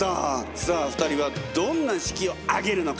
さあ２人はどんな式を挙げるのか？